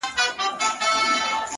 • سیاه پوسي ده د مړو ورا ده؛